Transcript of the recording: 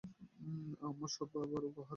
আমার সৎ বাবার উপহার।